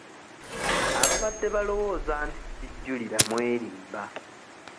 Ababadde balowooza nti sijjulira mwerimba.